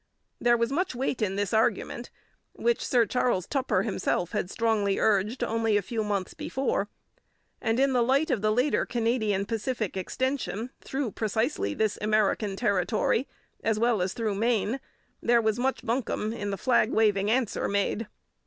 There was much weight in this argument, which Sir Charles Tupper himself had strongly urged only a few months before, and in the light of the later Canadian Pacific extension through precisely this American territory as well as through Maine, there was much buncombe in the flag waving answer made.